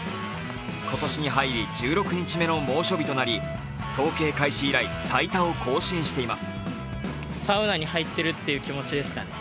今年に入り、１６日目の猛暑日となり統計開始以来最多を更新しています。